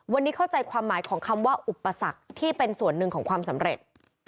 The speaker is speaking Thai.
วันนี้เข้าใจความหมายของคำว่าอุปสรรคที่เป็นส่วนหนึ่งของความสำเร็จ